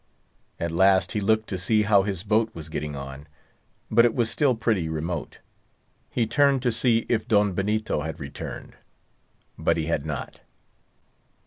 At last he looked to see how his boat was getting on; but it was still pretty remote. He turned to see if Don Benito had returned; but he had not.